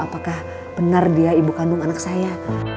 apakah benar dia ibu kandung anak saya